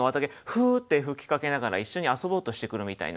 フーッて吹きかけながら一緒に遊ぼうとしてくるみたいな